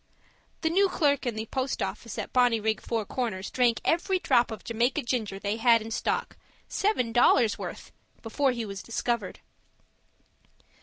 The new clerk in the post office at Bonnyrigg Four Corners drank every drop of Jamaica ginger they had in stock seven dollars' worth before he was discovered.